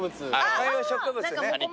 観葉植物ね。